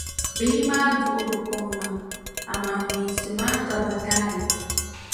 Bihi maa duɣiri kom maa amaa meensi maa ka ba taali.